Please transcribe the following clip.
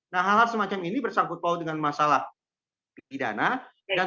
nah hal hal semacam ini bersangkutpau dengan masalah kegidanaan dan